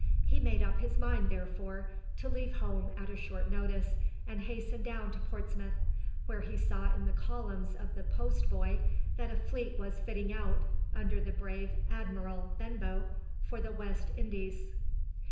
He made up his mind, therefore, to leave home at a short notice and hasten down to Portsmouth, where he saw in the columns of the Post boy that a fleet was fitting out, under the brave Admiral Benbow, for the West Indies.